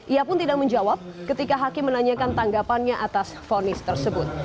ia pun tidak menjawab ketika hakim menanyakan tanggapannya atas fonis tersebut